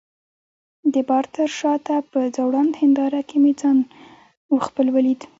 د بار تر شاته په ځوړند هنداره کي مې خپل ځان ولید.